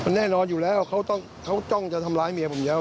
แน่นอนอยู่แล้วเขาจ้องจะทำร้ายเมียผมแล้ว